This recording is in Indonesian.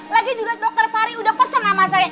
lagi juga dokter fari udah pesen sama saya